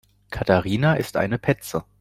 Katharina ist eine Petze.